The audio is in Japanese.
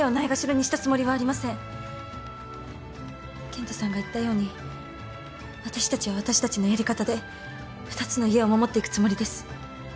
健太さんが言ったように私たちは私たちのやり方で２つの家を守っていくつもりです。